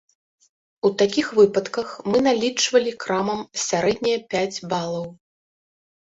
У такіх выпадках мы налічвалі крамам сярэднія пяць балаў.